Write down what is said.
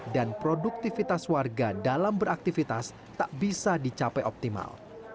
dan produktivitas warga dalam beraktivitas tak bisa dicapai optimal